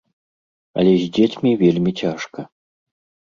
Але з дзецьмі вельмі цяжка.